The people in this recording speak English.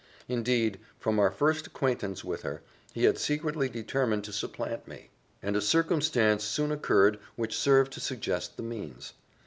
Indeed, from our first acquaintance with her, he had secretly determined to supplant me; and a circumstance soon occurred which served to suggest the means.